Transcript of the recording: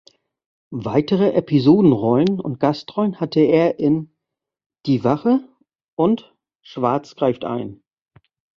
Weitere Episodenrollen und Gastrollen hatte er in "Die Wache" und "Schwarz greift ein".